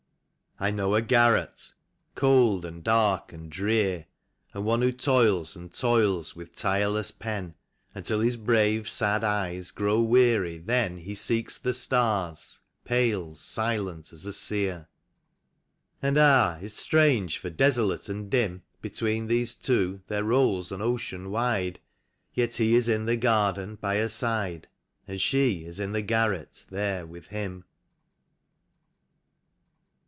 I know a garret, cold and dark and drear, And one who toils and toils with tireless pen, Until his brave, sad eyes grow weary — then He seeks the stars, pale, silent as a seer. And ah, it's strange, for desolate and dim Between these two there rolls an ocean wide; Yet he is in the garden by her side. And she is in the garret there with him.